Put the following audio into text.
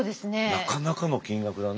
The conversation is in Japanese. なかなかの金額だね。